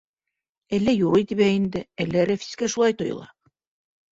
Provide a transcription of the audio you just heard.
Әллә юрый тибә инде, әллә Рәфискә шулай тойола.